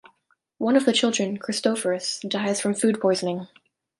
One of the children, Kristoforas, dies from food poisoning.